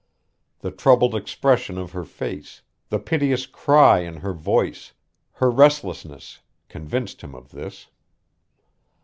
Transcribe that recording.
The troubled expression of her face, the piteous cry in her voice, her restlessness convinced him of this.